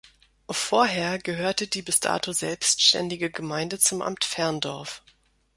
Vorher gehörte die bis dato selbstständige Gemeinde zum Amt Ferndorf.